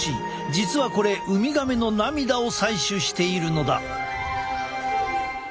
実はこれウミガメの涙を採取しているのだ。